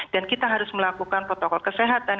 dan kita harus melakukan protokol kesehatan